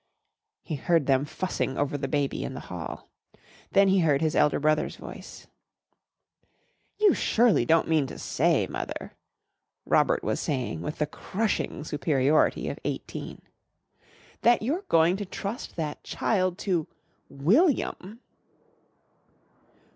He heard them fussing over the baby in the hall. Then he heard his elder brother's voice. "You surely don't mean to say, mother," Robert was saying with the crushing superiority of eighteen, "that you're going to trust that child to William."